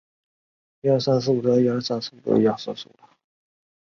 唯康文署未有回覆加设栏杆的原因。